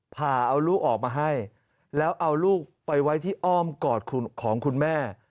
พาเอาลูกออกมาให้แล้วเอาลูกไปไว้ที่อ้อมกอดของคุณแม่